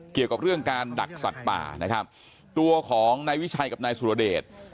เกี่ยวกับเรื่องการดักสัตว์ป่านะครับตัวของนายวิชัยกับนายสุรเดช